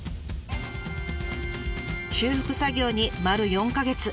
修復作業に丸４か月。